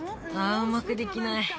あうまくできない。